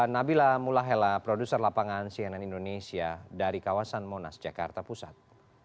nabila mulahela produser lapangan cnn indonesia dari kawasan monas jakarta pusat